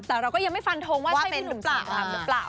แต่เราก็ยังไม่ฟันทงว่าใช่พี่หนุ่มสอนรามหรือเปล่า